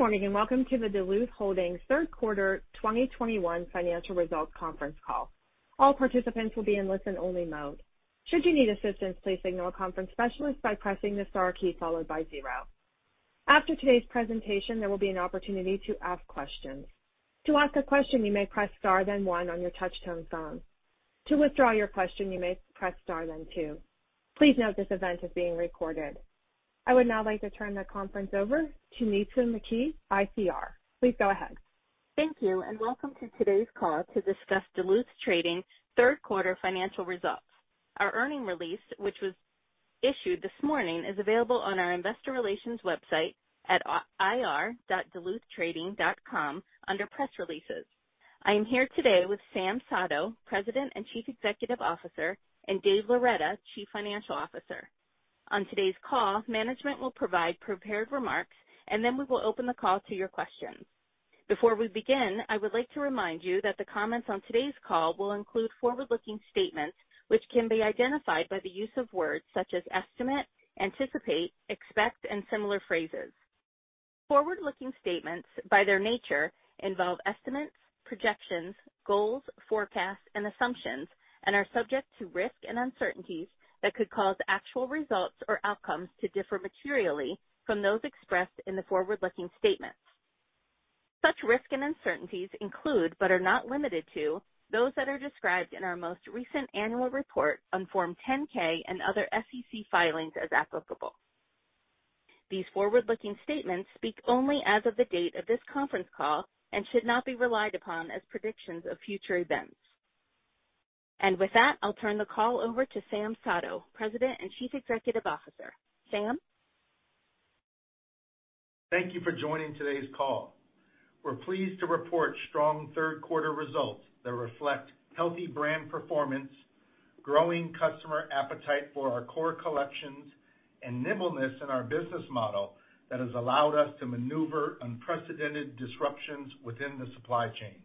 Good morning, and welcome to the Duluth Holdings third quarter 2021 financial results conference call. All participants will be in listen-only mode. Should you need assistance, please signal a conference specialist by pressing the star key followed by zero. After today's presentation, there will be an opportunity to ask questions. To ask a question, you may press star then one on your touch-tone phone. To withdraw your question, you may press star then two. Please note this event is being recorded. I would now like to turn the conference over to Nitza McKee, ICR. Please go ahead. Thank you, and welcome to today's call to discuss Duluth Trading's third quarter financial results. Our earnings release, which was issued this morning, is available on our investor relations website at ir.duluthtrading.com under Press Releases. I am here today with Sam Sato, President and Chief Executive Officer, and Dave Loretta, Chief Financial Officer. On today's call, management will provide prepared remarks, and then we will open the call to your questions. Before we begin, I would like to remind you that the comments on today's call will include forward-looking statements, which can be identified by the use of words such as estimate, anticipate, expect, and similar phrases. Forward-looking statements, by their nature, involve estimates, projections, goals, forecasts, and assumptions, and are subject to risk and uncertainties that could cause actual results or outcomes to differ materially from those expressed in the forward-looking statements. Such risks and uncertainties include, but are not limited to, those that are described in our most recent annual report on Form 10-K and other SEC filings as applicable. These forward-looking statements speak only as of the date of this conference call and should not be relied upon as predictions of future events. With that, I'll turn the call over to Sam Sato, President and Chief Executive Officer. Sam? Thank you for joining today's call. We're pleased to report strong third quarter results that reflect healthy brand performance, growing customer appetite for our core collections, and nimbleness in our business model that has allowed us to maneuver unprecedented disruptions within the supply chain.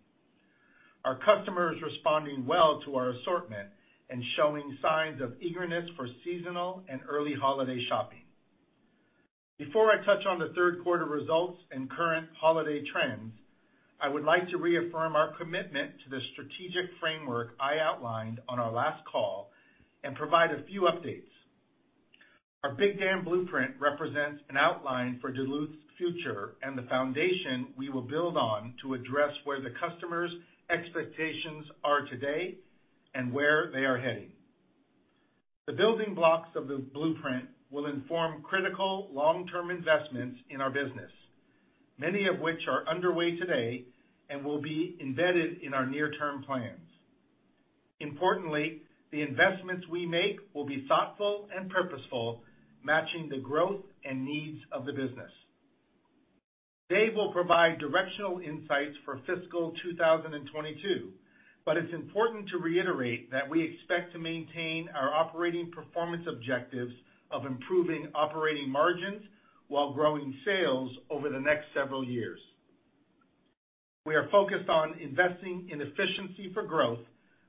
Our customers are responding well to our assortment and showing signs of eagerness for seasonal and early holiday shopping. Before I touch on the third quarter results and current holiday trends, I would like to reaffirm our commitment to the strategic framework I outlined on our last call and provide a few updates. Our Big Dam Blueprint represents an outline for Duluth's future and the foundation we will build on to address where the customers' expectations are today and where they are heading. The building blocks of the blueprint will inform critical long-term investments in our business, many of which are underway today and will be embedded in our near-term plans. Importantly, the investments we make will be thoughtful and purposeful, matching the growth and needs of the business. Dave Loretta will provide directional insights for fiscal 2022, but it's important to reiterate that we expect to maintain our operating performance objectives of improving operating margins while growing sales over the next several years. We are focused on investing in efficiency for growth,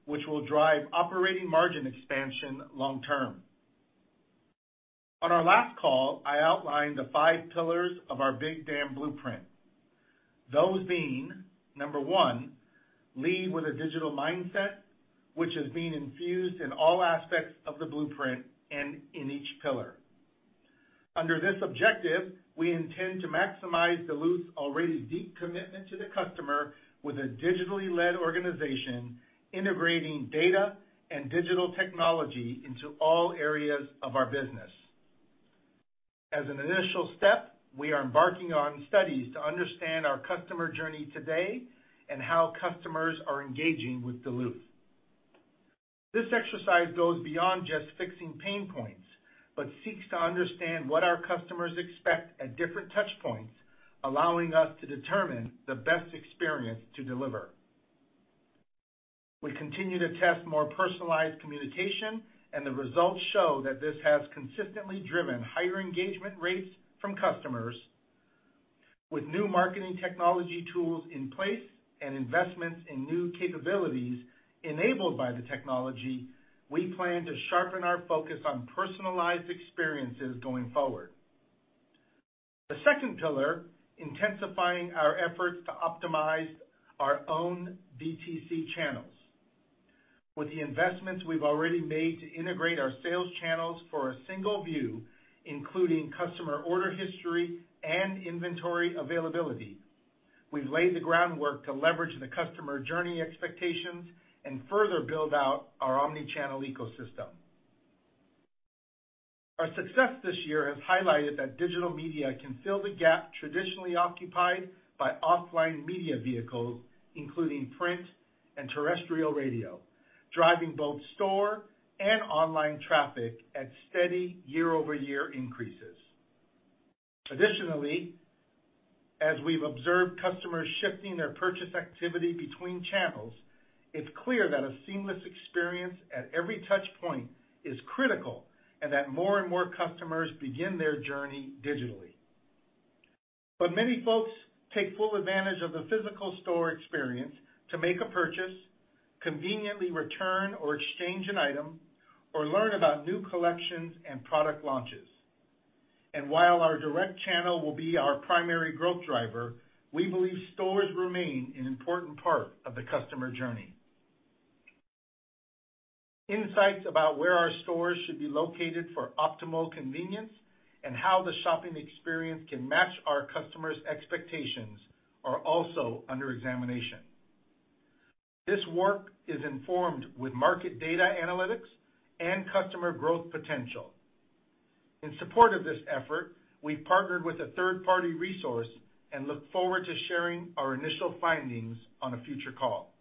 which will drive operating margin expansion long term. On our last call, I outlined the five pillars of our Big Dam Blueprint. Those being, number one, lead with a digital mindset, which is being infused in all aspects of the blueprint and in each pillar. Under this objective, we intend to maximize Duluth's already deep commitment to the customer with a digitally led organization integrating data and digital technology into all areas of our business. As an initial step, we are embarking on studies to understand our customer journey today and how customers are engaging with Duluth. This exercise goes beyond just fixing pain points, but seeks to understand what our customers expect at different touch points, allowing us to determine the best experience to deliver. We continue to test more personalized communication, and the results show that this has consistently driven higher engagement rates from customers. With new marketing technology tools in place and investments in new capabilities enabled by the technology, we plan to sharpen our focus on personalized experiences going forward. The second pillar, intensifying our efforts to optimize our own DTC channels. With the investments we've already made to integrate our sales channels for a single view, including customer order history and inventory availability, we've laid the groundwork to leverage the customer journey expectations and further build out our omni-channel ecosystem. Our success this year has highlighted that digital media can fill the gap traditionally occupied by offline media vehicles, including print and terrestrial radio, driving both store and online traffic at steady year-over-year increases. Additionally, as we've observed customers shifting their purchase activity between channels, it's clear that a seamless experience at every touch point is critical and that more and more customers begin their journey digitally. Many folks take full advantage of the physical store experience to make a purchase, conveniently return or exchange an item or learn about new collections and product launches. While our direct channel will be our primary growth driver, we believe stores remain an important part of the customer journey. Insights about where our stores should be located for optimal convenience and how the shopping experience can match our customers' expectations are also under examination. This work is informed with market data analytics and customer growth potential. In support of this effort, we've partnered with a third-party resource and look forward to sharing our initial findings on a future call.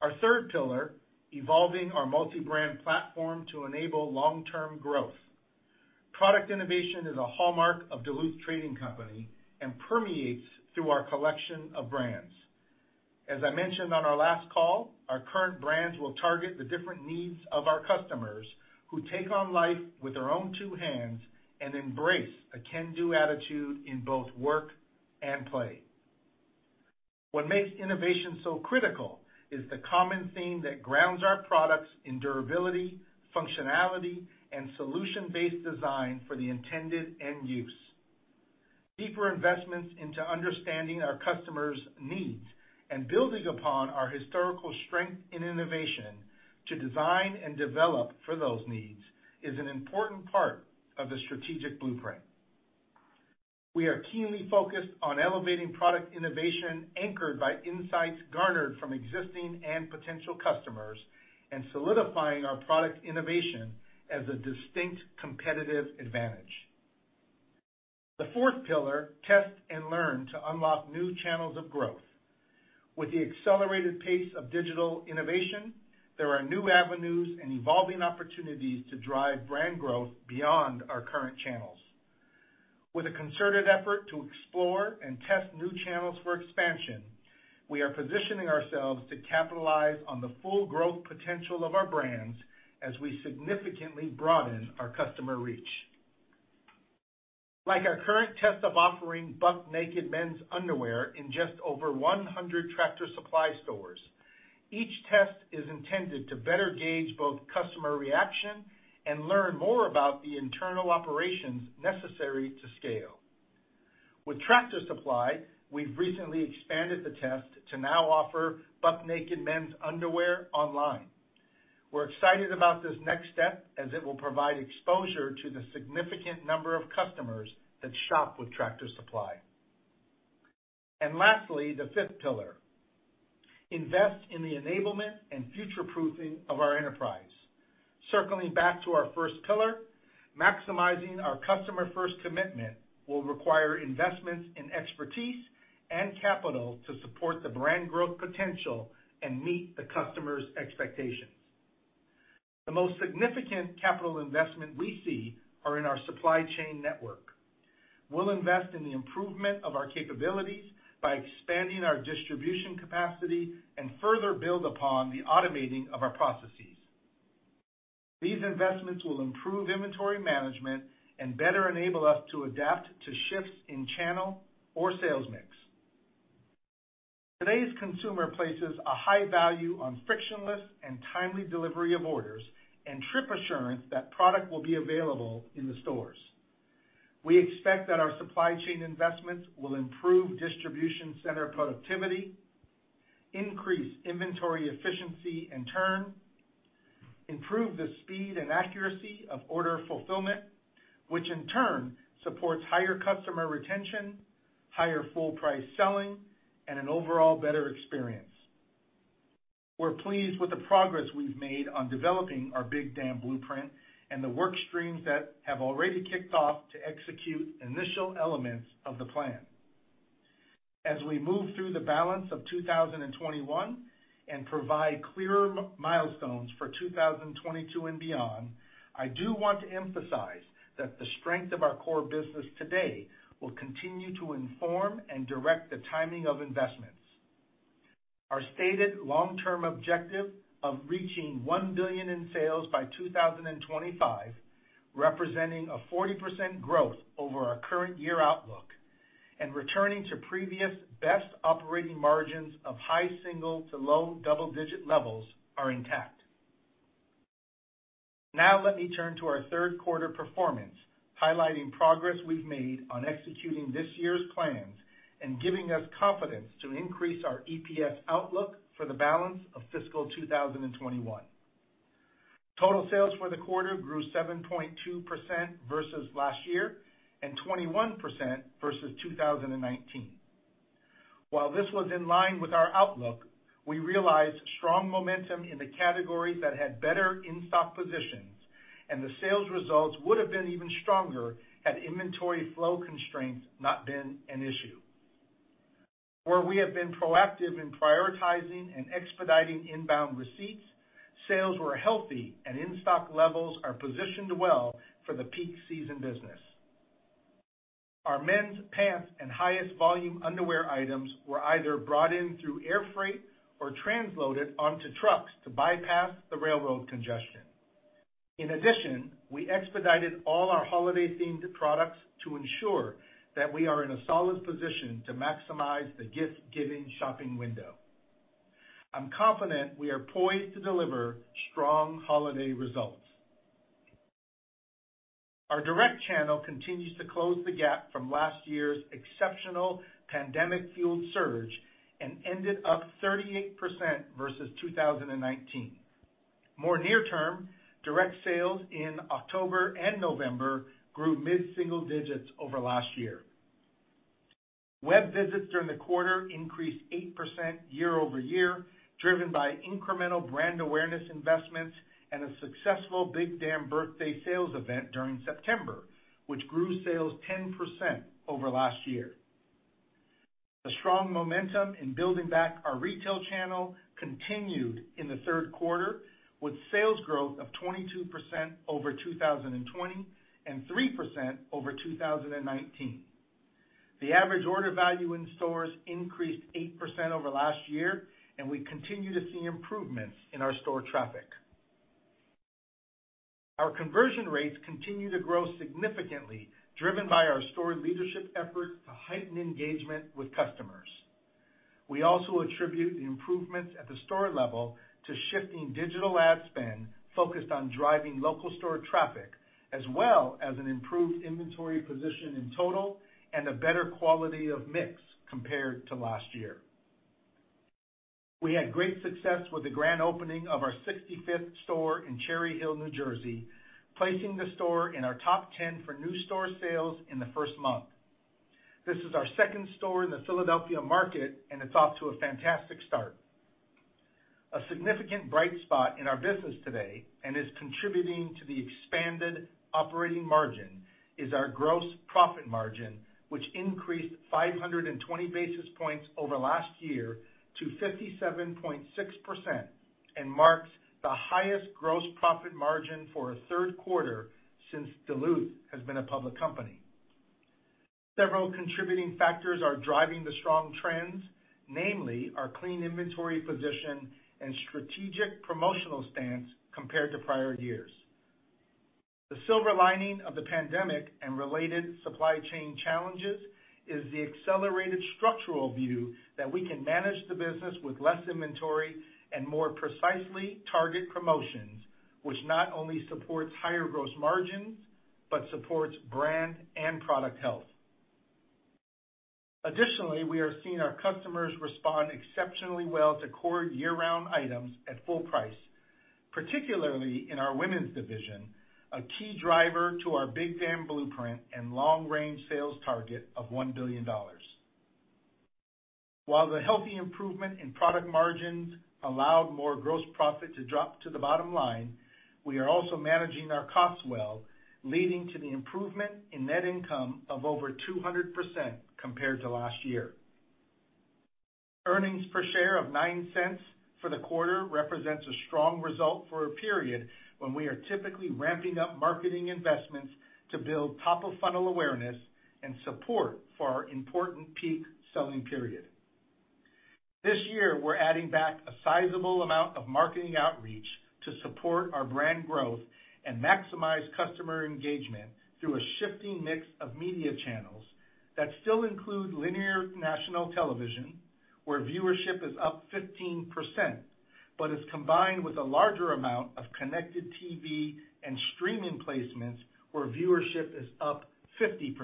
Our third pillar, evolving our multi-brand platform to enable long-term growth. Product innovation is a hallmark of Duluth Trading Company and permeates through our collection of brands. As I mentioned on our last call, our current brands will target the different needs of our customers who take on life with their own two hands and embrace a can-do attitude in both work and play. What makes innovation so critical is the common theme that grounds our products in durability, functionality, and solution-based design for the intended end use. Deeper investments into understanding our customers' needs and building upon our historical strength in innovation to design and develop for those needs is an important part of the strategic blueprint. We are keenly focused on elevating product innovation anchored by insights garnered from existing and potential customers and solidifying our product innovation as a distinct competitive advantage. The fourth pillar, test and learn to unlock new channels of growth. With the accelerated pace of digital innovation, there are new avenues and evolving opportunities to drive brand growth beyond our current channels. With a concerted effort to explore and test new channels for expansion, we are positioning ourselves to capitalize on the full growth potential of our brands as we significantly broaden our customer reach. Like our current test of offering Buck Naked men's underwear in just over 100 Tractor Supply stores, each test is intended to better gauge both customer reaction and learn more about the internal operations necessary to scale. With Tractor Supply, we've recently expanded the test to now offer Buck Naked men's underwear online. We're excited about this next step as it will provide exposure to the significant number of customers that shop with Tractor Supply. Lastly, the fifth pillar, invest in the enablement and future-proofing of our enterprise. Circling back to our first pillar, maximizing our customer-first commitment will require investments in expertise and capital to support the brand growth potential and meet the customers' expectations. The most significant capital investment we see are in our supply chain network. We'll invest in the improvement of our capabilities by expanding our distribution capacity and further build upon the automating of our processes. These investments will improve inventory management and better enable us to adapt to shifts in channel or sales mix. Today's consumer places a high value on frictionless and timely delivery of orders and true assurance that product will be available in the stores. We expect that our supply chain investments will improve distribution center productivity, increase inventory efficiency and turn, improve the speed and accuracy of order fulfillment, which in turn supports higher customer retention, higher full price selling, and an overall better experience. We're pleased with the progress we've made on developing our Big Dam Blueprint and the work streams that have already kicked off to execute initial elements of the plan. As we move through the balance of 2021 and provide clearer milestones for 2022 and beyond, I do want to emphasize that the strength of our core business today will continue to inform and direct the timing of investments. Our stated long-term objective of reaching $1 billion in sales by 2025, representing a 40% growth over our current year outlook and returning to previous best operating margins of high single-digit to low double-digit levels are intact. Now let me turn to our third quarter performance, highlighting progress we've made on executing this year's plans and giving us confidence to increase our EPS outlook for the balance of fiscal 2021. Total sales for the quarter grew 7.2% versus last year and 21% versus 2019. While this was in line with our outlook, we realized strong momentum in the categories that had better in-stock positions, and the sales results would have been even stronger had inventory flow constraints not been an issue. Where we have been proactive in prioritizing and expediting inbound receipts, sales were healthy and in-stock levels are positioned well for the peak season business. Our men's pants and highest volume underwear items were either brought in through air freight or transloaded onto trucks to bypass the railroad congestion. In addition, we expedited all our holiday-themed products to ensure that we are in a solid position to maximize the gift-giving shopping window. I'm confident we are poised to deliver strong holiday results. Our direct channel continues to close the gap from last year's exceptional pandemic-fueled surge and ended up 38% versus 2019. More near term, direct sales in October and November grew mid-single digits over last year. Web visits during the quarter increased 8% year-over-year, driven by incremental brand awareness investments and a successful Big Dam Birthday sales event during September, which grew sales 10% over last year. The strong momentum in building back our retail channel continued in the third quarter, with sales growth of 22% over 2020 and 3% over 2019. The average order value in stores increased 8% over last year, and we continue to see improvements in our store traffic. Our conversion rates continue to grow significantly, driven by our store leadership efforts to heighten engagement with customers. We also attribute the improvements at the store level to shifting digital ad spend focused on driving local store traffic, as well as an improved inventory position in total and a better quality of mix compared to last year. We had great success with the grand opening of our 65th store in Cherry Hill, New Jersey, placing the store in our top 10 for new store sales in the first month. This is our second store in the Philadelphia market, and it's off to a fantastic start. A significant bright spot in our business today and is contributing to the expanded operating margin is our gross profit margin, which increased 520 basis points over last year to 57.6% and marks the highest gross profit margin for a third quarter since Duluth has been a public company. Several contributing factors are driving the strong trends, namely our clean inventory position and strategic promotional stance compared to prior years. The silver lining of the pandemic and related supply chain challenges is the accelerated structural view that we can manage the business with less inventory and more precisely target promotions, which not only supports higher gross margins but supports brand and product health. Additionally, we are seeing our customers respond exceptionally well to core year-round items at full price, particularly in our women's division, a key driver to our Big Dam Blueprint and long-range sales target of $1 billion. While the healthy improvement in product margins allowed more gross profit to drop to the bottom line, we are also managing our costs well, leading to the improvement in net income of over 200% compared to last year. Earnings per share of $0.09 for the quarter represents a strong result for a period when we are typically ramping up marketing investments to build top-of-funnel awareness and support for our important peak selling period. This year, we're adding back a sizable amount of marketing outreach to support our brand growth and maximize customer engagement through a shifting mix of media channels that still include linear national television, where viewership is up 15%, but is combined with a larger amount of connected TV and streaming placements where viewership is up 50%.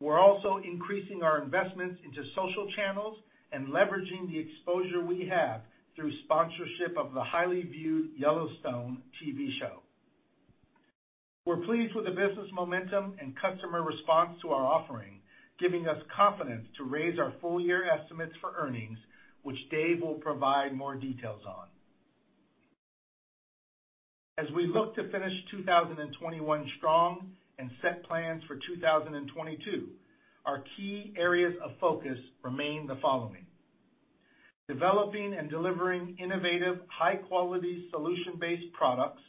We're also increasing our investments into social channels and leveraging the exposure we have through sponsorship of the highly viewed Yellowstone TV show. We're pleased with the business momentum and customer response to our offering, giving us confidence to raise our full-year estimates for earnings, which Dave will provide more details on. As we look to finish 2021 strong and set plans for 2022, our key areas of focus remain the following. Developing and delivering innovative, high-quality, solution-based products.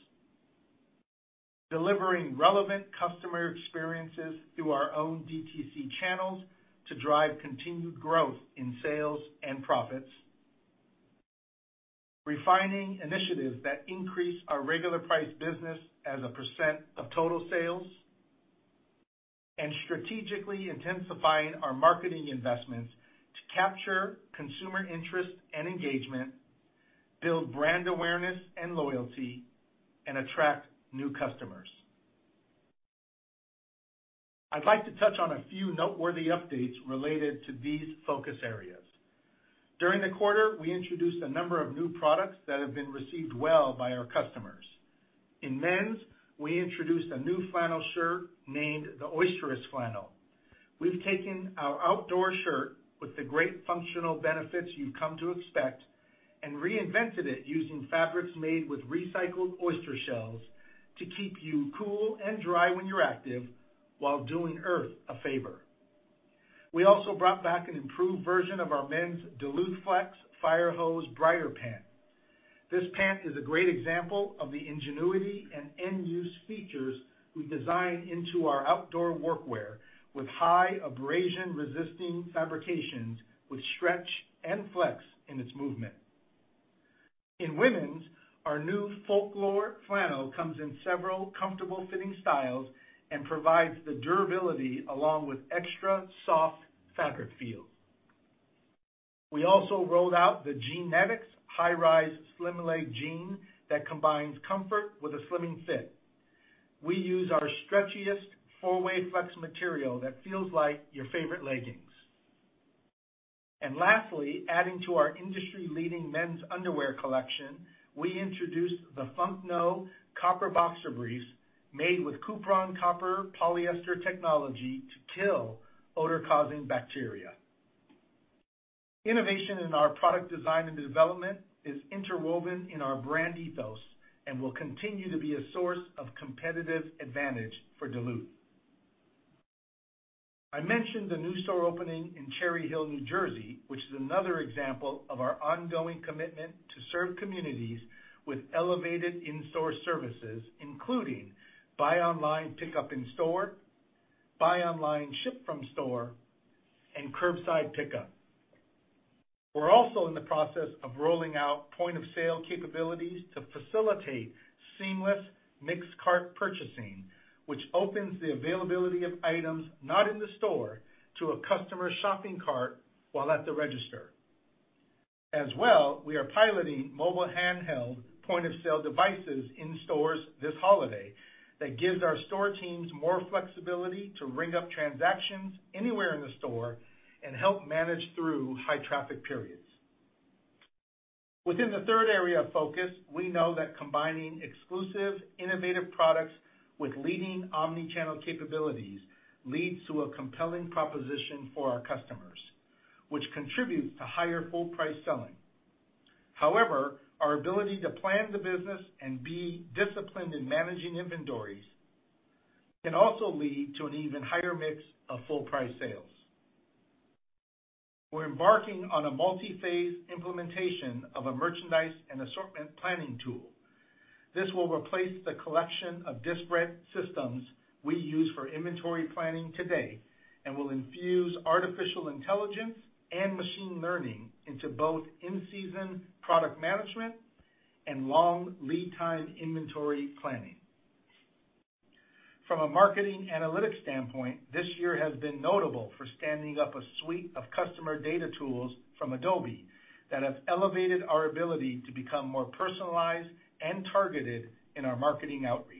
Delivering relevant customer experiences through our own DTC channels to drive continued growth in sales and profits. Refining initiatives that increase our regular price business as a percent of total sales. Strategically intensifying our marketing investments to capture consumer interest and engagement, build brand awareness and loyalty, and attract new customers. I'd like to touch on a few noteworthy updates related to these focus areas. During the quarter, we introduced a number of new products that have been received well by our customers. In men's, we introduced a new flannel shirt named the Oysterous Flannel. We've taken our outdoor shirt with the great functional benefits you've come to expect and reinvented it using fabrics made with recycled oyster shells to keep you cool and dry when you're active while doing Earth a favor. We also brought back an improved version of our men's DuluthFlex Fire Hose Briar Pant. This pant is a great example of the ingenuity and end-use features we design into our outdoor workwear with high abrasion-resisting fabrications with stretch and flex in its movement. In women's, our new Folklore Flannel comes in several comfortable fitting styles and provides the durability along with extra soft fabric feel. We also rolled out the Jean-Netics high-rise slim leg jean that combines comfort with a slimming fit. We use our stretchiest four-way flex material that feels like your favorite leggings. Lastly, adding to our industry-leading men's underwear collection, we introduced the Funk No! copper boxer briefs made with Cupron copper polyester technology to kill odor-causing bacteria. Innovation in our product design and development is interwoven in our brand ethos and will continue to be a source of competitive advantage for Duluth. I mentioned the new store opening in Cherry Hill, New Jersey, which is another example of our ongoing commitment to serve communities with elevated in-store services, including buy online, pickup in store, buy online, ship from store, and curbside pickup. We're also in the process of rolling out point-of-sale capabilities to facilitate seamless mixed cart purchasing, which opens the availability of items not in the store to a customer's shopping cart while at the register. As well, we are piloting mobile handheld point-of-sale devices in stores this holiday that gives our store teams more flexibility to ring up transactions anywhere in the store and help manage through high traffic periods. Within the third area of focus, we know that combining exclusive innovative products with leading omni-channel capabilities leads to a compelling proposition for our customers, which contributes to higher full price selling. However, our ability to plan the business and be disciplined in managing inventories can also lead to an even higher mix of full price sales. We're embarking on a multi-phase implementation of a merchandise and assortment planning tool. This will replace the collection of disparate systems we use for inventory planning today and will infuse artificial intelligence and machine learning into both in-season product management and long lead time inventory planning. From a marketing analytics standpoint, this year has been notable for standing up a suite of customer data tools from Adobe that have elevated our ability to become more personalized and targeted in our marketing outreach.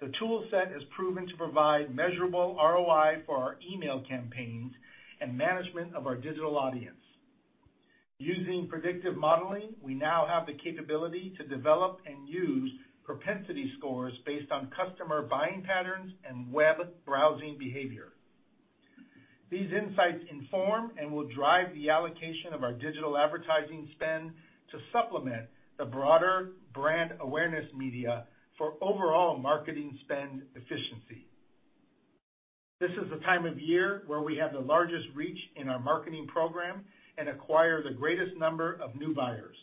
The tool set has proven to provide measurable ROI for our email campaigns and management of our digital audience. Using predictive modeling, we now have the capability to develop and use propensity scores based on customer buying patterns and web browsing behavior. These insights inform and will drive the allocation of our digital advertising spend to supplement the broader brand awareness media for overall marketing spend efficiency. This is the time of year where we have the largest reach in our marketing program and acquire the greatest number of new buyers.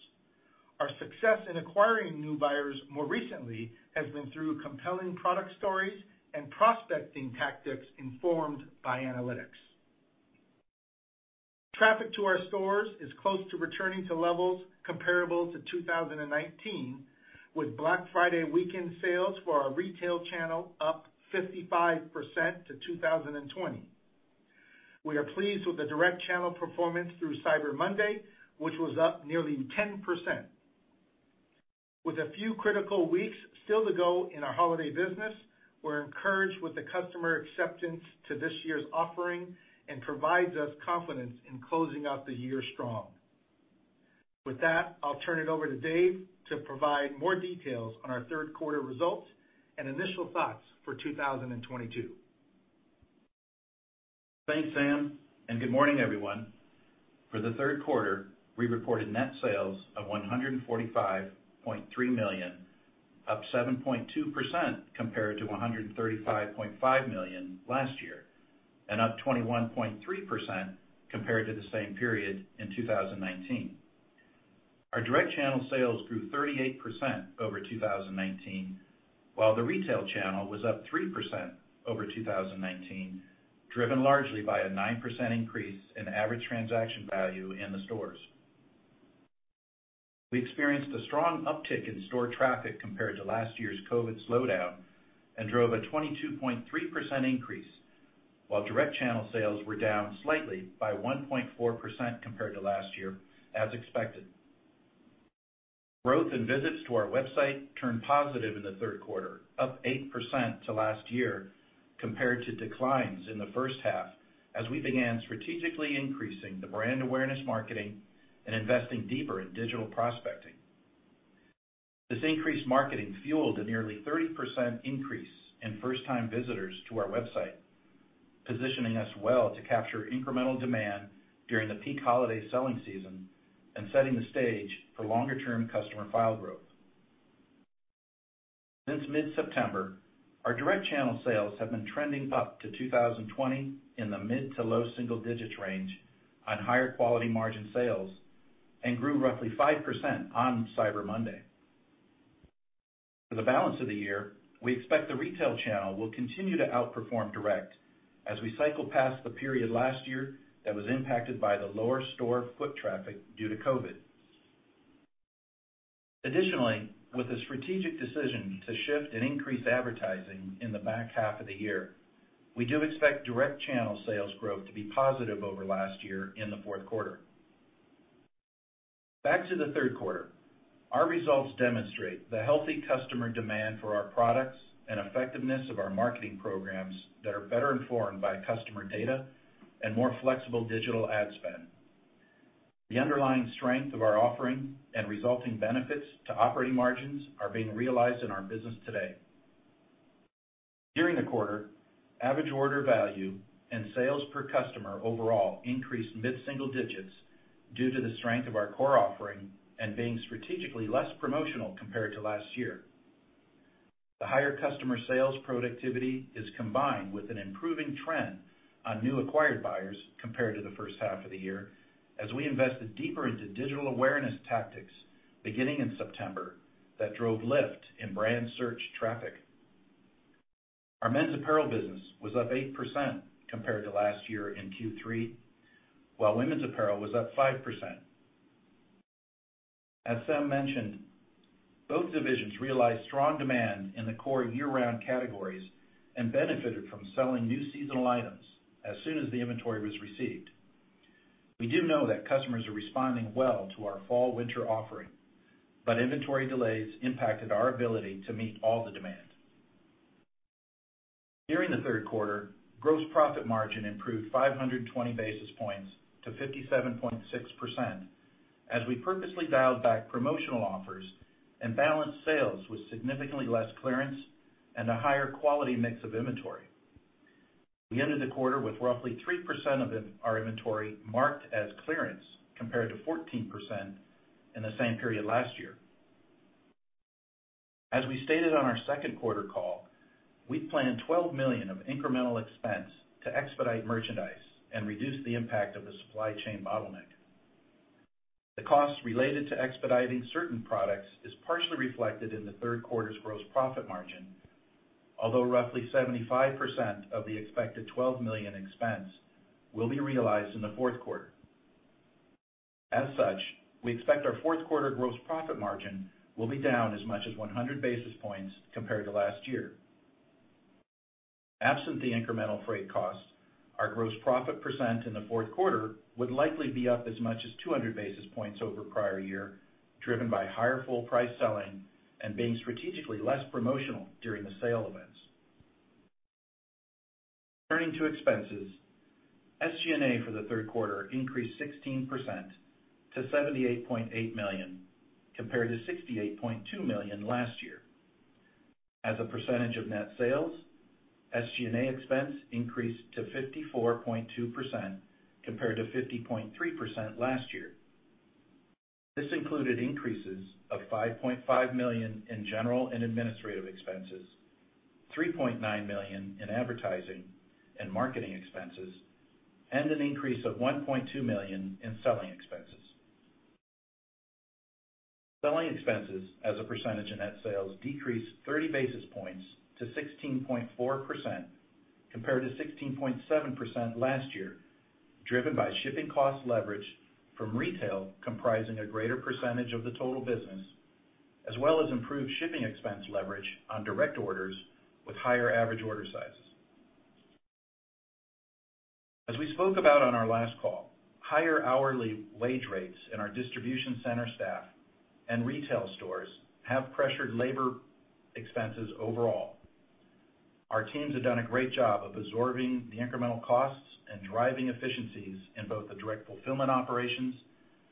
Our success in acquiring new buyers more recently has been through compelling product stories and prospecting tactics informed by analytics. Traffic to our stores is close to returning to levels comparable to 2019, with Black Friday weekend sales for our retail channel up 55% to 2020. We are pleased with the direct channel performance through Cyber Monday, which was up nearly 10%. With a few critical weeks still to go in our holiday business, we're encouraged with the customer acceptance to this year's offering and provides us confidence in closing out the year strong. With that, I'll turn it over to Dave to provide more details on our third quarter results and initial thoughts for 2022. Thanks, Sam, and good morning, everyone. For the third quarter, we reported net sales of $145.3 million, up 7.2% compared to $135.5 million last year, and up 21.3% compared to the same period in 2019. Our direct channel sales grew 38% over 2019, while the retail channel was up 3% over 2019, driven largely by a 9% increase in average transaction value in the stores. We experienced a strong uptick in store traffic compared to last year's COVID slowdown and drove a 22.3% increase, while direct channel sales were down slightly by 1.4% compared to last year, as expected. Growth in visits to our website turned positive in the third quarter, up 8% to last year compared to declines in the first half as we began strategically increasing the brand awareness marketing and investing deeper in digital prospecting. This increased marketing fueled a nearly 30% increase in first-time visitors to our website, positioning us well to capture incremental demand during the peak holiday selling season and setting the stage for longer-term customer file growth. Since mid-September, our direct channel sales have been trending up to 2020 in the mid- to low-single-digits range on higher quality margin sales and grew roughly 5% on Cyber Monday. For the balance of the year, we expect the retail channel will continue to outperform direct as we cycle past the period last year that was impacted by the lower store foot traffic due to COVID. Additionally, with the strategic decision to shift and increase advertising in the back half of the year, we do expect direct channel sales growth to be positive over last year in the fourth quarter. Back to the third quarter. Our results demonstrate the healthy customer demand for our products and effectiveness of our marketing programs that are better informed by customer data and more flexible digital ad spend. The underlying strength of our offering and resulting benefits to operating margins are being realized in our business today. During the quarter, average order value and sales per customer overall increased mid-single digits due to the strength of our core offering and being strategically less promotional compared to last year. The higher customer sales productivity is combined with an improving trend on new acquired buyers compared to the first half of the year, as we invested deeper into digital awareness tactics beginning in September that drove lift in brand search traffic. Our men's apparel business was up 8% compared to last year in Q3, while women's apparel was up 5%. As Sam mentioned, both divisions realized strong demand in the core year-round categories and benefited from selling new seasonal items as soon as the inventory was received. We do know that customers are responding well to our fall/winter offering, but inventory delays impacted our ability to meet all the demand. During the third quarter, gross profit margin improved 520 basis points to 57.6% as we purposely dialed back promotional offers and balanced sales with significantly less clearance and a higher quality mix of inventory. We ended the quarter with roughly 3% of our inventory marked as clearance, compared to 14% in the same period last year. As we stated on our second quarter call, we planned $12 million of incremental expense to expedite merchandise and reduce the impact of the supply chain bottleneck. The costs related to expediting certain products is partially reflected in the third quarter's gross profit margin. Although roughly 75% of the expected $12 million expense will be realized in the fourth quarter. As such, we expect our fourth quarter gross profit margin will be down as much as 100 basis points compared to last year. Absent the incremental freight cost, our gross profit percent in the fourth quarter would likely be up as much as 200 basis points over prior year, driven by higher full price selling and being strategically less promotional during the sale events. Turning to expenses. SG&A for the third quarter increased 16% to $78.8 million, compared to $68.2 million last year. As a percentage of net sales, SG&A expense increased to 54.2%, compared to 50.3% last year. This included increases of $5.5 million in general and administrative expenses, $3.9 million in advertising and marketing expenses, and an increase of $1.2 million in selling expenses. Selling expenses as a percentage of net sales decreased 30 basis points to 16.4%, compared to 16.7% last year, driven by shipping cost leverage from retail comprising a greater percentage of the total business, as well as improved shipping expense leverage on direct orders with higher average order sizes. As we spoke about on our last call, higher hourly wage rates in our distribution center staff and retail stores have pressured labor expenses overall. Our teams have done a great job of absorbing the incremental costs and driving efficiencies in both the direct fulfillment operations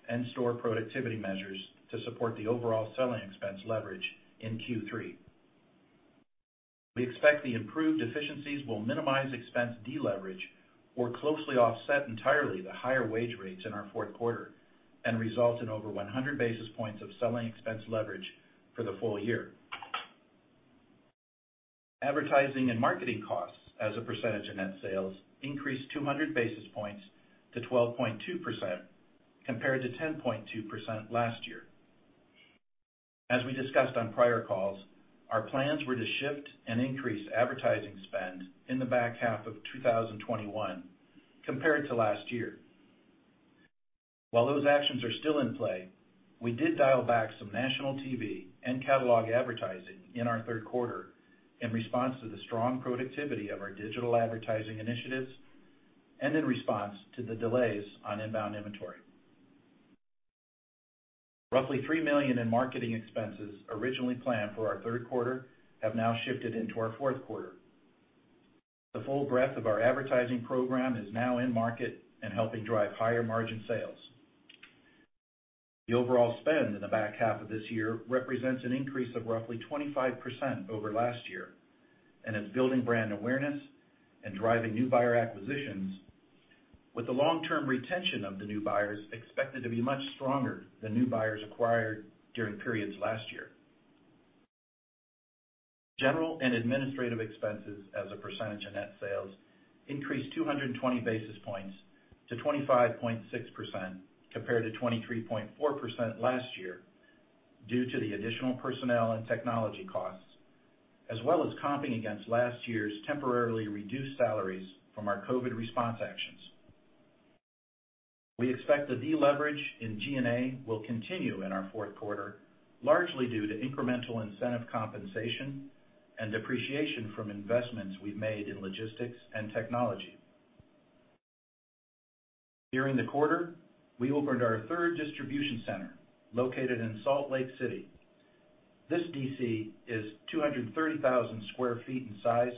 and store productivity measures to support the overall selling expense leverage in Q3. We expect the improved efficiencies will minimize expense deleverage or closely offset entirely the higher wage rates in our fourth quarter and result in over 100 basis points of selling expense leverage for the full year. Advertising and marketing costs as a percentage of net sales increased 200 basis points to 12.2%, compared to 10.2% last year. As we discussed on prior calls, our plans were to shift and increase advertising spend in the back half of 2021 compared to last year. While those actions are still in play, we did dial back some national TV and catalog advertising in our third quarter in response to the strong productivity of our digital advertising initiatives and in response to the delays on inbound inventory. Roughly $3 million in marketing expenses originally planned for our third quarter have now shifted into our fourth quarter. The full breadth of our advertising program is now in market and helping drive higher margin sales. The overall spend in the back half of this year represents an increase of roughly 25% over last year and is building brand awareness and driving new buyer acquisitions, with the long-term retention of the new buyers expected to be much stronger than new buyers acquired during periods last year. General and administrative expenses as a percentage of net sales increased 220 basis points to 25.6% compared to 23.4% last year due to the additional personnel and technology costs, as well as comping against last year's temporarily reduced salaries from our COVID response actions. We expect the deleverage in G&A will continue in our fourth quarter, largely due to incremental incentive compensation and depreciation from investments we've made in logistics and technology. During the quarter, we opened our third distribution center located in Salt Lake City. This DC is 230,000 sq ft in size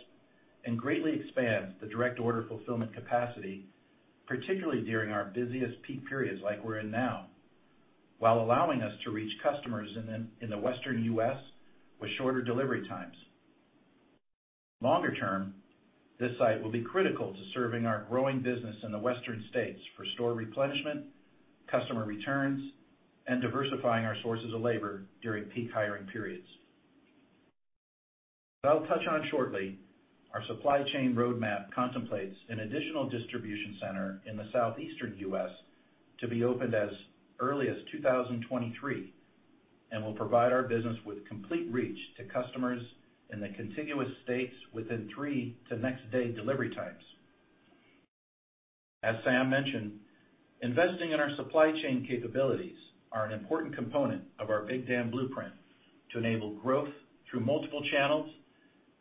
and greatly expands the direct order fulfillment capacity, particularly during our busiest peak periods like we're in now, while allowing us to reach customers in the Western U.S. with shorter delivery times. Longer term, this site will be critical to serving our growing business in the western states for store replenishment, customer returns, and diversifying our sources of labor during peak hiring periods. I'll touch on shortly our supply chain roadmap contemplates an additional distribution center in the southeastern U.S. to be opened as early as 2023, and will provide our business with complete reach to customers in the contiguous states within three to next day delivery times. As Sam mentioned, investing in our supply chain capabilities are an important component of our Big Dam Blueprint to enable growth through multiple channels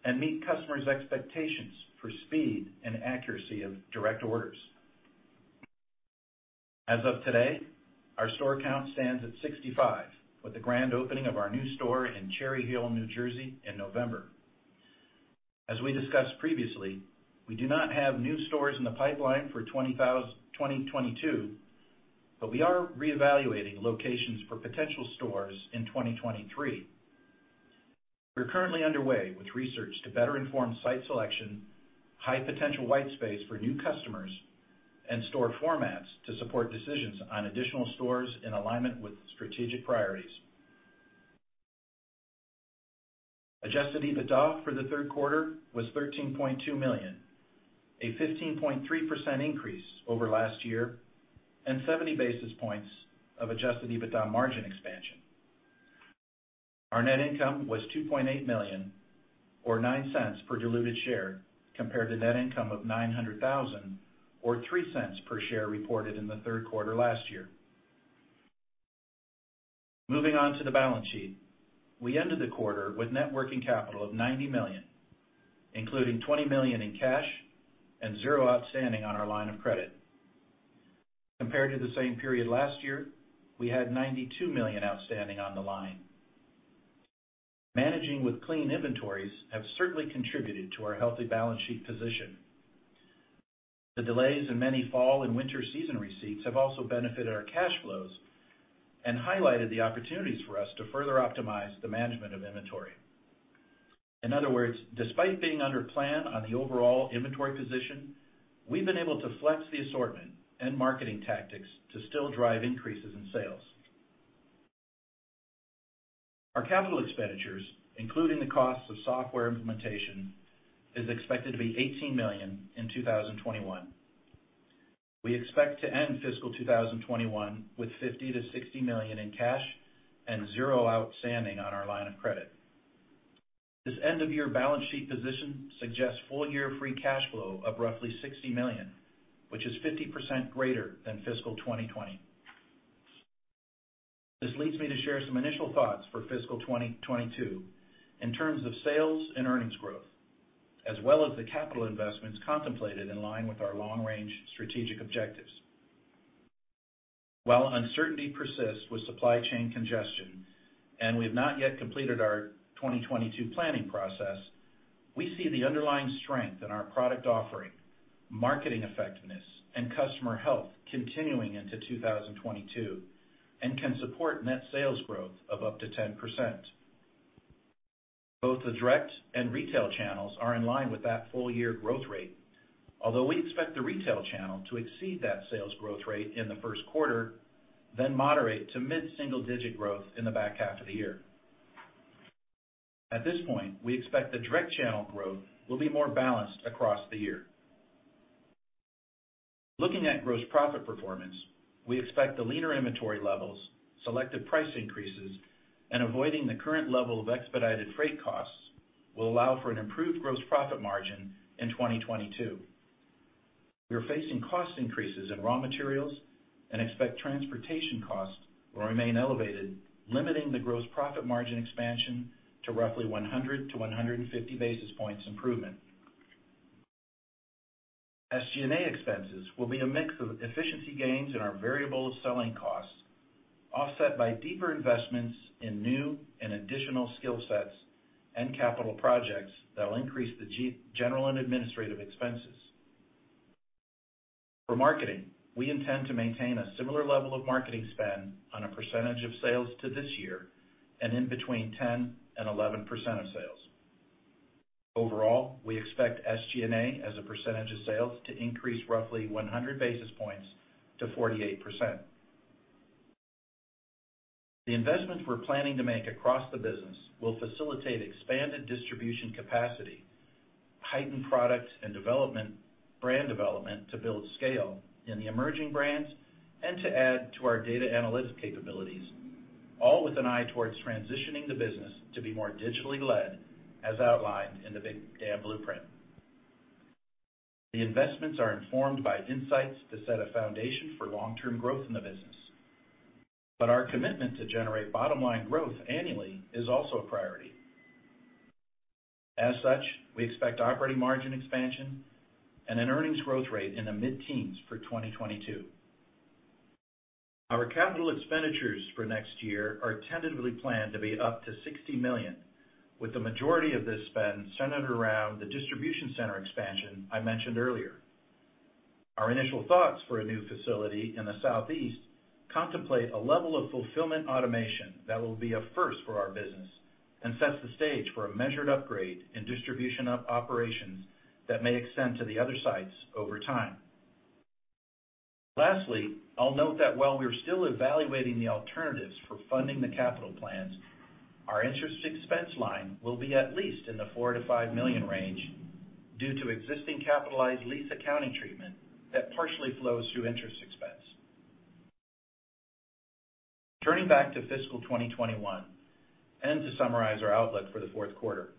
and meet customers' expectations for speed and accuracy of direct orders. As of today, our store count stands at 65, with the grand opening of our new store in Cherry Hill, New Jersey in November. As we discussed previously, we do not have new stores in the pipeline for 2022, but we are reevaluating locations for potential stores in 2023. We're currently underway with research to better inform site selection, high potential white space for new customers, and store formats to support decisions on additional stores in alignment with strategic priorities. Adjusted EBITDA for the third quarter was $13.2 million, a 15.3% increase over last year and 70 basis points of adjusted EBITDA margin expansion. Our net income was $2.8 million or $0.09 per diluted share compared to net income of $900,000 or $0.03 per share reported in the third quarter last year. Moving on to the balance sheet. We ended the quarter with net working capital of $90 million, including $20 million in cash and $0 outstanding on our line of credit. Compared to the same period last year, we had $92 million outstanding on the line. Managing with clean inventories have certainly contributed to our healthy balance sheet position. The delays in many fall and winter season receipts have also benefited our cash flows and highlighted the opportunities for us to further optimize the management of inventory. In other words, despite being under plan on the overall inventory position, we've been able to flex the assortment and marketing tactics to still drive increases in sales. Our capital expenditures, including the costs of software implementation, is expected to be $18 million in 2021. We expect to end fiscal 2021 with $50 million-$60 million in cash and zero outstanding on our line of credit. This end of year balance sheet position suggests full year free cash flow of roughly $60 million, which is 50% greater than fiscal 2020. This leads me to share some initial thoughts for fiscal 2022 in terms of sales and earnings growth, as well as the capital investments contemplated in line with our long-range strategic objectives. While uncertainty persists with supply chain congestion, and we have not yet completed our 2022 planning process, we see the underlying strength in our product offering, marketing effectiveness, and customer health continuing into 2022, and can support net sales growth of up to 10%. Both the direct and retail channels are in line with that full year growth rate. Although we expect the retail channel to exceed that sales growth rate in the first quarter, then moderate to mid-single-digit growth in the back half of the year. At this point, we expect the direct channel growth will be more balanced across the year. Looking at gross profit performance, we expect the leaner inventory levels, selective price increases, and avoiding the current level of expedited freight costs will allow for an improved gross profit margin in 2022. We are facing cost increases in raw materials and expect transportation costs will remain elevated, limiting the gross profit margin expansion to roughly 100-150 basis points improvement. SG&A expenses will be a mix of efficiency gains in our variable selling costs, offset by deeper investments in new and additional skill sets and capital projects that will increase the general and administrative expenses. For marketing, we intend to maintain a similar level of marketing spend as a percentage of sales to this year and in between 10%-11% of sales. Overall, we expect SG&A as a percentage of sales to increase roughly 100 basis points to 48%. The investments we're planning to make across the business will facilitate expanded distribution capacity, heightened brand development to build scale in the emerging brands and to add to our data analytics capabilities, all with an eye towards transitioning the business to be more digitally led as outlined in the Big Dam Blueprint. The investments are informed by insights to set a foundation for long-term growth in the business. Our commitment to generate bottom-line growth annually is also a priority. As such, we expect operating margin expansion and an earnings growth rate in the mid-teens for 2022. Our capital expenditures for next year are tentatively planned to be up to $60 million, with the majority of this spend centered around the distribution center expansion I mentioned earlier. Our initial thoughts for a new facility in the Southeast contemplate a level of fulfillment automation that will be a first for our business and sets the stage for a measured upgrade in distribution operations that may extend to the other sites over time. Lastly, I'll note that while we are still evaluating the alternatives for funding the capital plans, our interest expense line will be at least in the $4 million-$5 million range due to existing capitalized lease accounting treatment that partially flows through interest expense. Turning back to fiscal 2021, to summarize our outlook for the fourth quarter,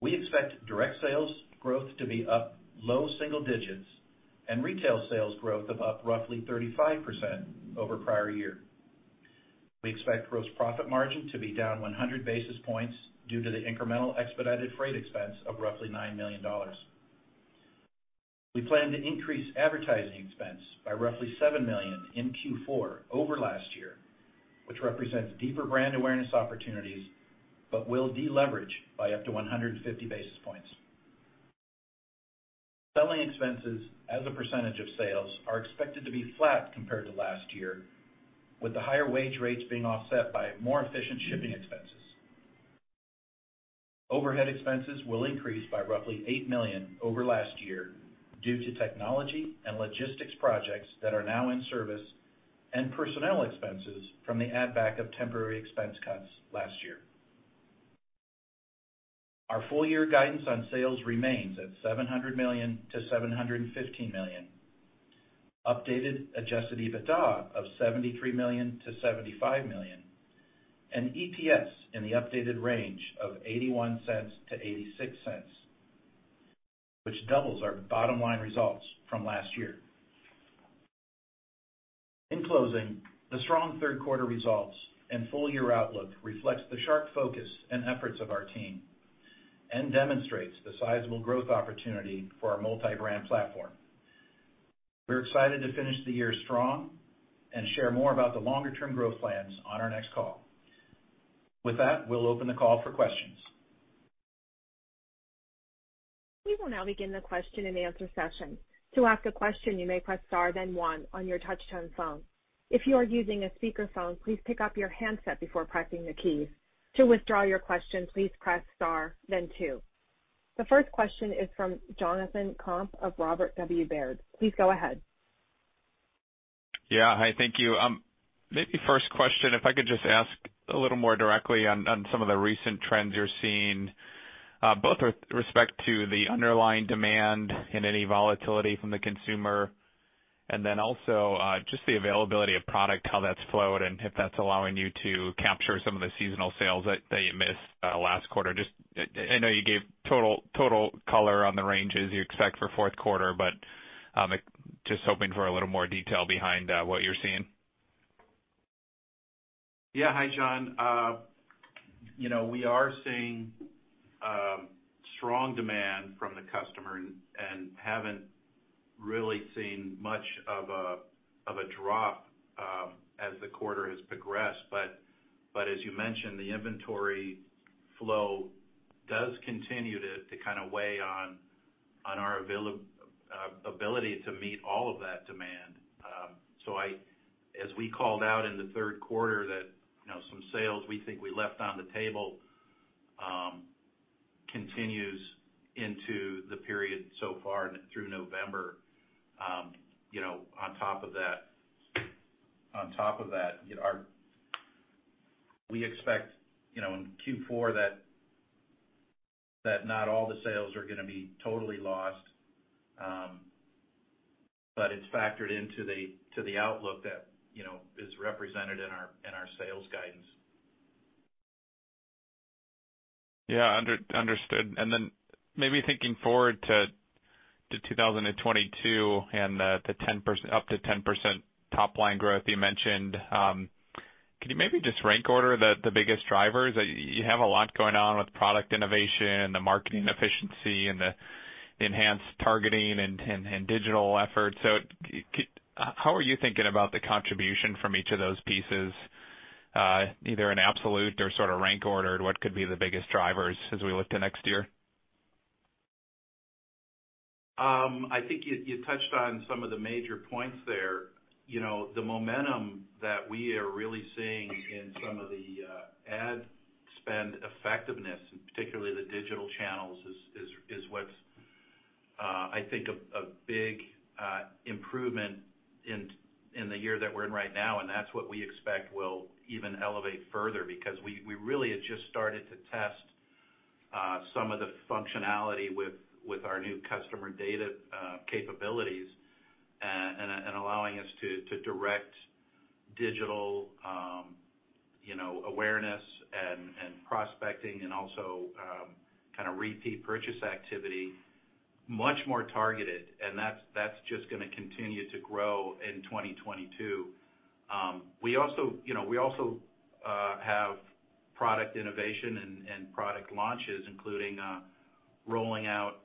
we expect direct sales growth to be up low single digits and retail sales growth of up roughly 35% over prior year. We expect gross profit margin to be down 100 basis points due to the incremental expedited freight expense of roughly $9 million. We plan to increase advertising expense by roughly $7 million in Q4 over last year, which represents deeper brand awareness opportunities but will deleverage by up to 150 basis points. Selling expenses as a percentage of sales are expected to be flat compared to last year, with the higher wage rates being offset by more efficient shipping expenses. Overhead expenses will increase by roughly $8 million over last year due to technology and logistics projects that are now in service and personnel expenses from the add back of temporary expense cuts last year. Our full year guidance on sales remains at $700 million-$715 million, updated adjusted EBITDA of $73 million-$75 million, and EPS in the updated range of $0.81-$0.86, which doubles our bottom-line results from last year. In closing, the strong third quarter results and full year outlook reflects the sharp focus and efforts of our team and demonstrates the sizable growth opportunity for our multi-brand platform. We're excited to finish the year strong and share more about the longer-term growth plans on our next call. With that, we'll open the call for questions. We will now begin the question-and-answer session. To ask a question, you may press star then one on your touch-tone phone. If you are using a speakerphone, please pick up your handset before pressing the keys. To withdraw your question, please press star then two. The first question is from Jonathan Komp of Robert W. Baird. Please go ahead. Yeah. Hi, thank you. Maybe first question, if I could just ask a little more directly on some of the recent trends you're seeing, both with respect to the underlying demand and any volatility from the consumer and then also, just the availability of product, how that's flowed, and if that's allowing you to capture some of the seasonal sales that you missed last quarter. Just I know you gave total color on the ranges you expect for fourth quarter, but just hoping for a little more detail behind what you're seeing. Yeah. Hi, John. You know, we are seeing strong demand from the customer and haven't really seen much of a drop as the quarter has progressed. As you mentioned, the inventory flow does continue to kind of weigh on our ability to meet all of that demand. As we called out in the third quarter that, you know, some sales we think we left on the table continues into the period so far through November. You know, on top of that we expect, you know, in Q4 that not all the sales are gonna be totally lost. It's factored into the outlook that, you know, is represented in our sales guidance. Understood. Maybe thinking forward to 2022 and the 10% up to 10% top line growth you mentioned, can you just rank order the biggest drivers? You have a lot going on with product innovation, the marketing efficiency, and the enhanced targeting and digital efforts. How are you thinking about the contribution from each of those pieces, either in absolute or sorta rank ordered, what could be the biggest drivers as we look to next year? I think you touched on some of the major points there. You know, the momentum that we are really seeing in some of the ad spend effectiveness, and particularly the digital channels is what's I think a big improvement in the year that we're in right now, and that's what we expect will even elevate further because we really had just started to test some of the functionality with our new customer data capabilities, and allowing us to direct digital, you know, awareness and prospecting and also kind of repeat purchase activity much more targeted. That's just gonna continue to grow in 2022. We also, you know, have product innovation and product launches, including rolling out,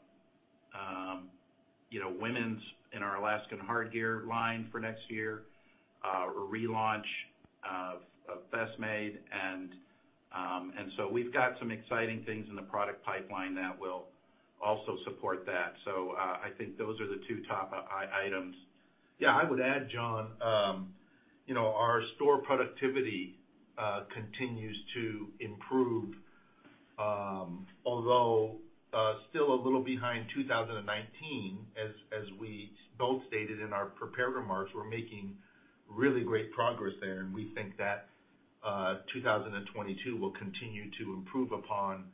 you know, women's in our Alaskan Hardgear line for next year, a relaunch of Best Made. We've got some exciting things in the product pipeline that will also support that. I think those are the two top items. Yeah. I would add, Jonathan, you know, our store productivity continues to improve. Although still a little behind 2019, as we both stated in our prepared remarks, we're making really great progress there, and we think that 2022 will continue to improve upon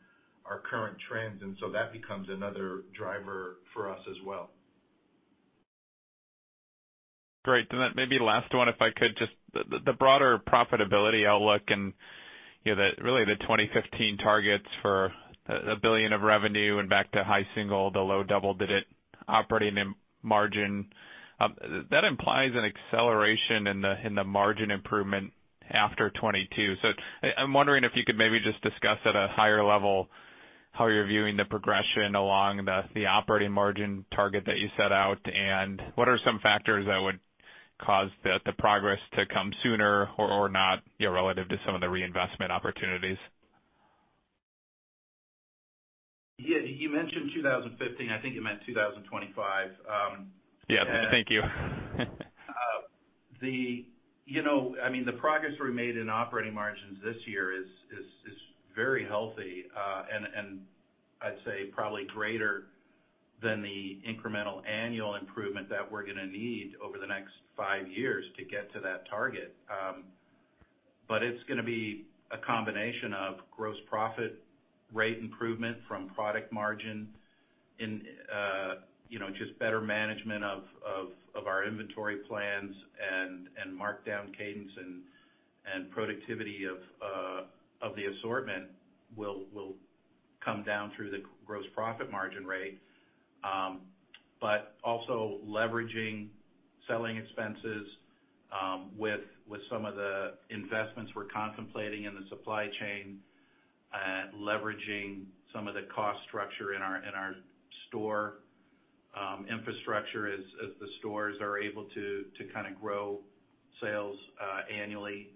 our current trends. That becomes another driver for us as well. Great. Maybe last one, if I could. Just the broader profitability outlook and, you know, really the 2015 targets for $1 billion of revenue and back to high single-digit to low double-digit operating margin, that implies an acceleration in the margin improvement after 2022. I'm wondering if you could maybe just discuss at a higher level how you're viewing the progression along the operating margin target that you set out, and what are some factors that would cause the progress to come sooner or not, you know, relative to some of the reinvestment opportunities. Yeah. You mentioned 2015. I think you meant 2025. Yeah. Thank you. You know, I mean, the progress we made in operating margins this year is very healthy. I'd say probably greater than the incremental annual improvement that we're gonna need over the next 5 years to get to that target. It's gonna be a combination of gross profit rate improvement from product margin and, you know, just better management of our inventory plans and markdown cadence and productivity of the assortment will come down through the gross profit margin rate. Also leveraging selling expenses, with some of the investments we're contemplating in the supply chain, leveraging some of the cost structure in our store infrastructure as the stores are able to kind of grow sales annually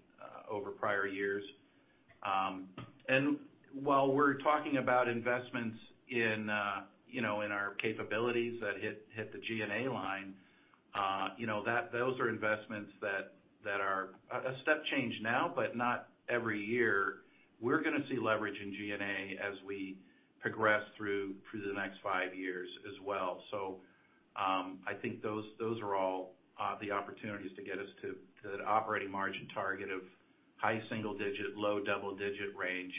over prior years. While we're talking about investments in, you know, in our capabilities that hit the G&A line, you know, those are investments that are a step change now, but not every year. We're gonna see leverage in G&A as we progress through the next five years as well. I think those are all the opportunities to get us to the operating margin target of high single digit, low double digit range,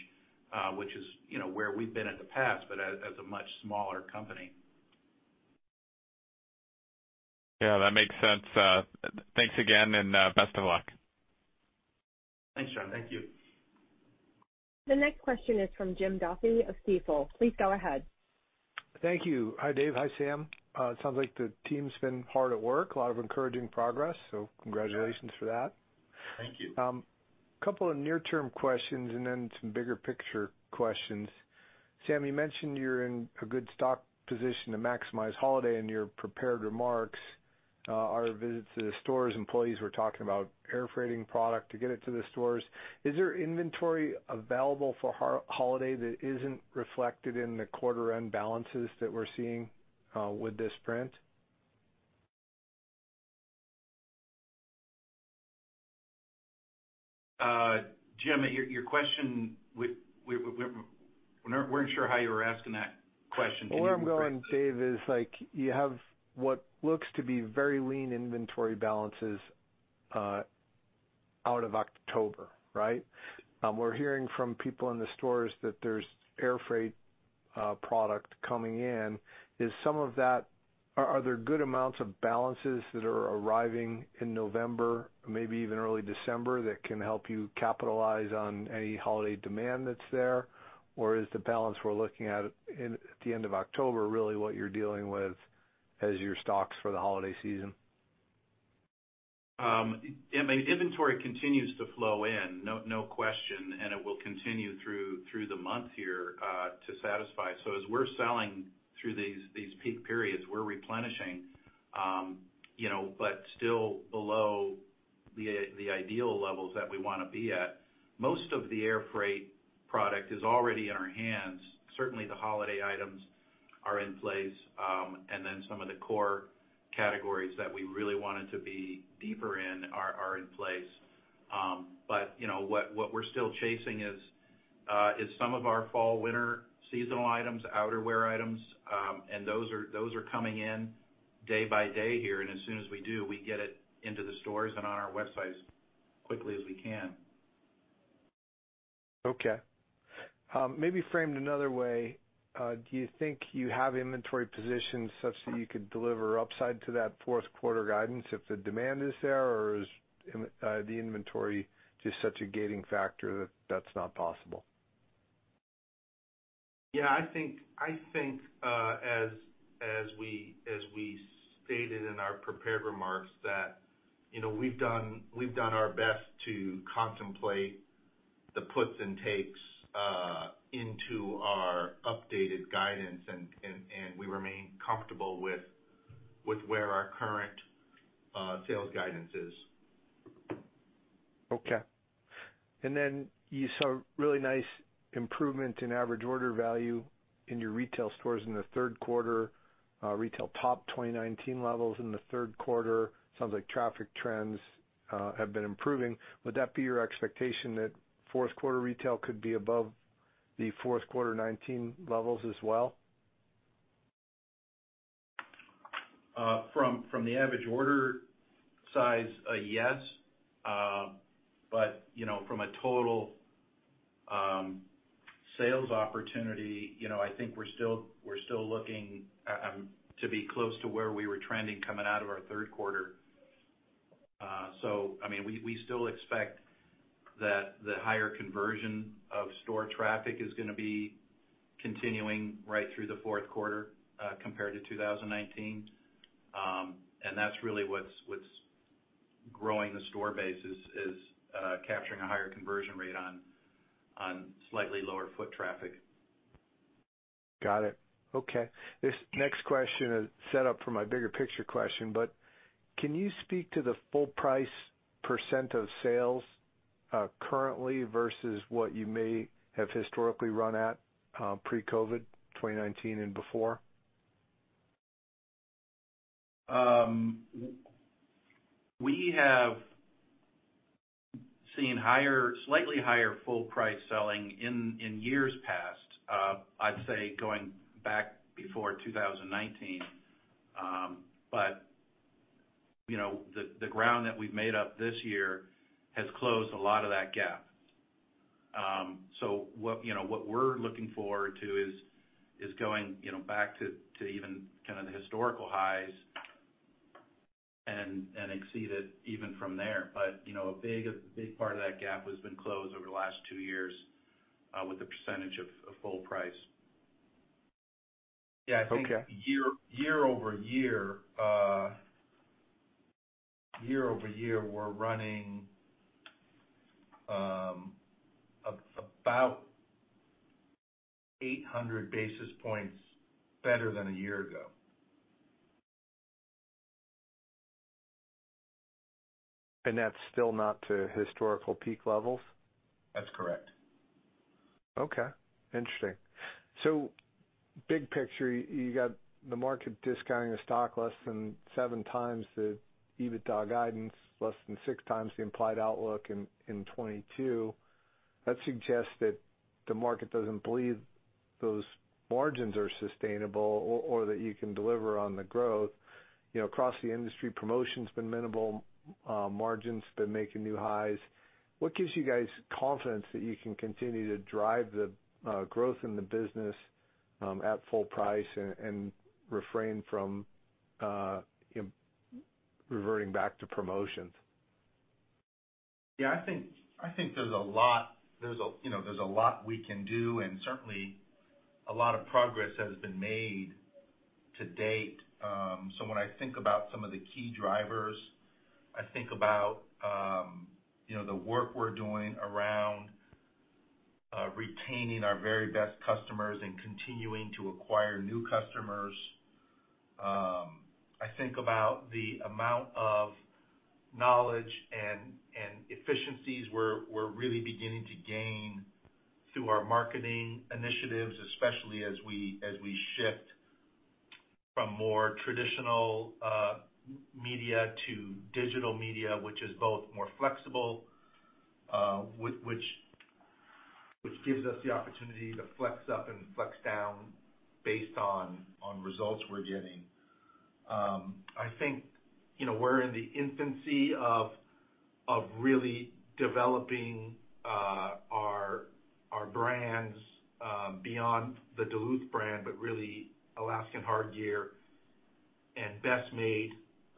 which is, you know, where we've been in the past, but as a much smaller company. Yeah, that makes sense. Thanks again, and best of luck. Thanks, John. Thank you. The next question is from Jim Duffy of Stifel. Please go ahead. Thank you. Hi, Dave. Hi, Sam. It sounds like the team's been hard at work, a lot of encouraging progress, so congratulations for that. Thank you. Couple of near-term questions and then some bigger picture questions. Sam, you mentioned you're in a good stock position to maximize holiday in your prepared remarks. Our visits to the stores, employees were talking about air freighting product to get it to the stores. Is there inventory available for holiday that isn't reflected in the quarter-end balances that we're seeing with this print? Jim, your question, we weren't sure how you were asking that question. Can you rephrase it? Where I'm going, Dave, is like you have what looks to be very lean inventory balances out of October, right? We're hearing from people in the stores that there's air freight product coming in. Are there good amounts of balances that are arriving in November, maybe even early December, that can help you capitalize on any holiday demand that's there? Or is the balance we're looking at at the end of October really what you're dealing with as your stocks for the holiday season? Yeah. I mean, inventory continues to flow in, no question, and it will continue through the month here to satisfy. As we're selling through these peak periods, we're replenishing, you know, but still below the ideal levels that we wanna be at. Most of the air freight product is already in our hands. Certainly, the holiday items are in place. Some of the core categories that we really wanted to be deeper in are in place. You know, what we're still chasing is It's some of our fall/winter seasonal items, outerwear items, and those are coming in day by day here. As soon as we do, we get it into the stores and on our website as quickly as we can. Okay. Maybe framed another way, do you think you have inventory positions such that you could deliver upside to that fourth quarter guidance if the demand is there? Or is the inventory just such a gating factor that that's not possible? Yeah, I think as we stated in our prepared remarks that, you know, we've done our best to contemplate the puts and takes into our updated guidance, and we remain comfortable with where our current sales guidance is. Okay. Then you saw really nice improvement in average order value in your retail stores in the third quarter, retail topped 2019 levels in the third quarter. Sounds like traffic trends have been improving. Would that be your expectation that fourth quarter retail could be above the fourth quarter 2019 levels as well? From the average order size, yes. You know, from a total sales opportunity, you know, I think we're still looking to be close to where we were trending coming out of our third quarter. I mean, we still expect that the higher conversion of store traffic is gonna be continuing right through the fourth quarter, compared to 2019. That's really what's growing the store base is capturing a higher conversion rate on slightly lower foot traffic. Got it. Okay. This next question is set up for my bigger picture question, but can you speak to the full price percent of sales, currently versus what you may have historically run at, pre-COVID, 2019 and before? We have seen slightly higher full price selling in years past, I'd say going back before 2019. You know, the ground that we've made up this year has closed a lot of that gap. What, you know, what we're looking forward to is going, you know, back to even kind of the historical highs and exceed it even from there. You know, a big part of that gap has been closed over the last two years with the percentage of full price. Yeah, I think- Okay. Year-over-year, we're running about 800 basis points better than a year ago. That's still not to historical peak levels? That's correct. Okay, interesting. Big picture, you got the market discounting the stock less than 7x the EBITDA guidance, less than 6x the implied outlook in 2022. That suggests that the market doesn't believe those margins are sustainable or that you can deliver on the growth. You know, across the industry, promotion's been minimal, margin's been making new highs. What gives you guys confidence that you can continue to drive the growth in the business at full price and refrain from reverting back to promotions? Yeah, I think there's a lot we can do and certainly a lot of progress has been made to date. When I think about some of the key drivers, I think about you know, the work we're doing around retaining our very best customers and continuing to acquire new customers. I think about the amount of knowledge and efficiencies we're really beginning to gain through our marketing initiatives, especially as we shift from more traditional media to digital media, which is both more flexible, which gives us the opportunity to flex up and flex down based on results we're getting. I think, you know, we're in the infancy of really developing our brands beyond the Duluth brand, but really Alaskan Hardgear and Best Made.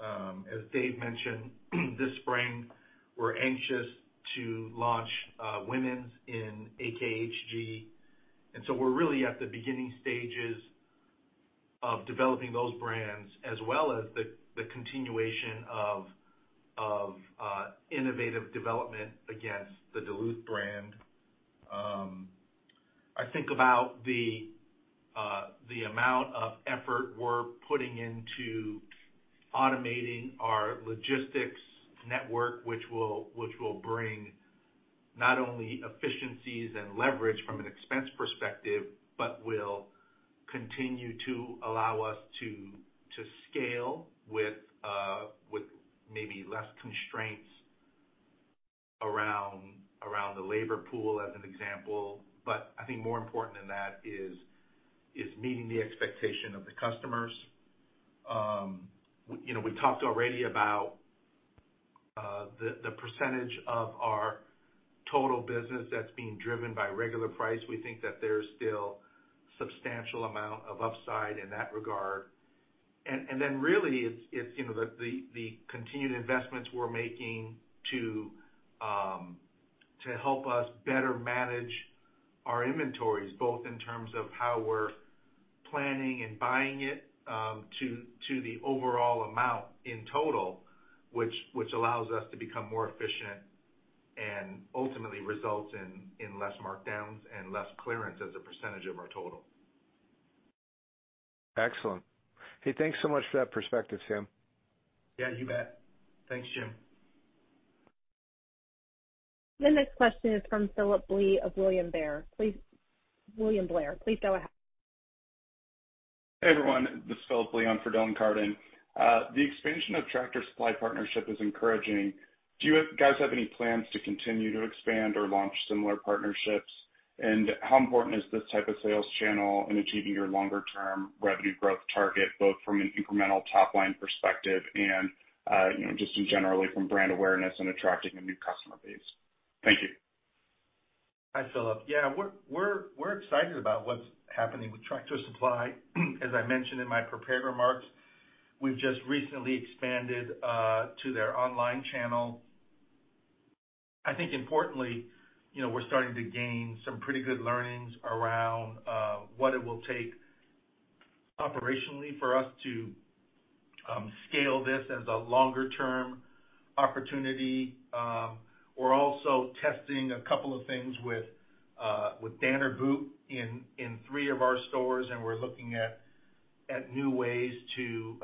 As Dave mentioned this spring, we're anxious to launch women's in AKHG. We're really at the beginning stages of developing those brands as well as the continuation of innovative development against the Duluth brand. I think about the amount of effort we're putting into automating our logistics network, which will bring not only efficiencies and leverage from an expense perspective but will continue to allow us to scale with maybe less constraints around the labor pool as an example. I think more important than that is meeting the expectation of the customers. You know, we talked already about the percentage of our total business that's being driven by regular price. We think that there's still substantial amount of upside in that regard. Then really it's you know the continued investments we're making to help us better manage our inventories, both in terms of how we're planning and buying it to the overall amount in total, which allows us to become more efficient and ultimately results in less markdowns and less clearance as a percentage of our total. Excellent. Hey, thanks so much for that perspective, Sam. Yeah, you bet. Thanks, Jim. The next question is from Phillip Blee of William Blair. Please go ahead. Hey, everyone, this is Phillip Blee on for Dylan Carden. The expansion of Tractor Supply partnership is encouraging. Do you guys have any plans to continue to expand or launch similar partnerships? How important is this type of sales channel in achieving your longer term revenue growth target, both from an incremental top line perspective and, you know, just in general from brand awareness and attracting a new customer base? Thank you. Hi, Phillip. Yeah, we're excited about what's happening with Tractor Supply. As I mentioned in my prepared remarks, we've just recently expanded to their online channel. I think importantly, you know, we're starting to gain some pretty good learnings around what it will take operationally for us to scale this as a longer term opportunity. We're also testing a couple of things with Danner in three of our stores, and we're looking at new ways to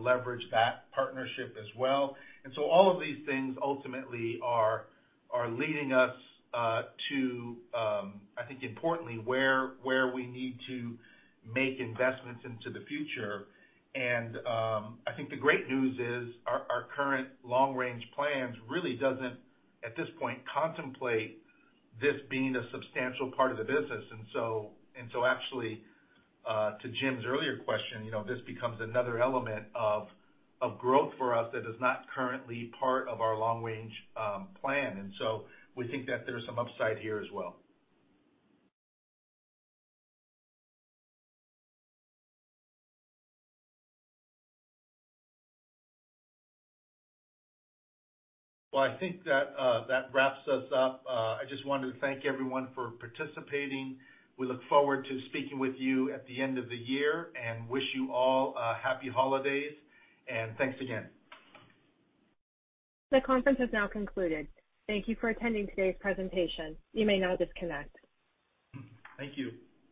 leverage that partnership as well. All of these things ultimately are leading us to, I think importantly, where we need to make investments into the future. I think the great news is our current long range plans really doesn't, at this point, contemplate this being a substantial part of the business. Actually, to Jim's earlier question, this becomes another element of growth for us that is not currently part of our long range plan. We think that there's some upside here as well. Well, I think that wraps us up. I just wanted to thank everyone for participating. We look forward to speaking with you at the end of the year and wish you all a happy holidays and thanks again. The conference has now concluded. Thank you for attending today's presentation. You may now disconnect. Thank you.